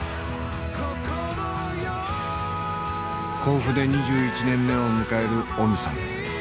甲府で２１年目を迎えるオミさん。